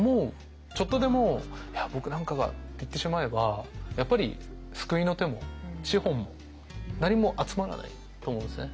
ちょっとでも「いや僕なんかが」って言ってしまえばやっぱり救いの手も資本も何も集まらないと思うんですね。